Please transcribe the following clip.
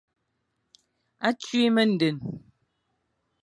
A tui mendene.